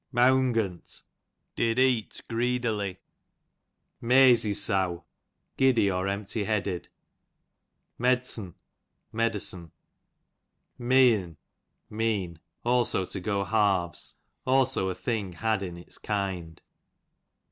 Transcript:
Meawg'nt, did eat greedily. Meazysow, giddy y or empty headed. Meds^n, medicine. Meeon, tnean ; also to go halves ; slIso a thing had in its kind.